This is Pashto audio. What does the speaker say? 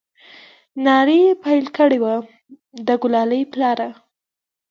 نارې يې پيل كړې وه د ګلالي پلاره!